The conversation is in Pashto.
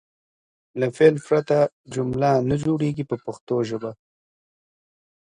له فعل پرته جمله نه جوړیږي په پښتو ژبه.